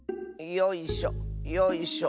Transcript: よいしょよいしょ。